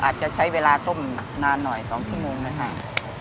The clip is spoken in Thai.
อาจจะใช้เวลาต้มนานหน่อย๒ชั่วโมงนะฮะ